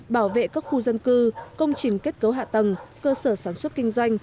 bảo vệ các khu dân cư công trình kết cấu hạ tầng cơ sở sản xuất kinh doanh